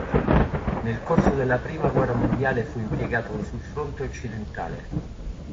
Nel corso della prima guerra mondiale fu impiegato sul fronte occidentale.